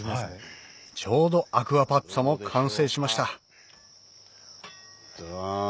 ちょうどアクアパッツァも完成しましたジャン！